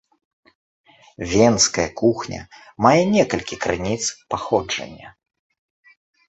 Венская кухня мае некалькі крыніц паходжання.